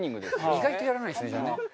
意外とやらないですねじゃあね。